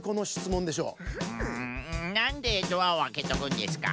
んなんでドアをあけとくんですか？